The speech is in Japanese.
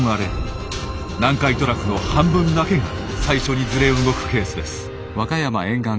南海トラフの半分だけが最初にずれ動くケースです。